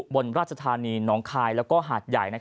บนราชธรรมนีนองคายและหาดใหญ่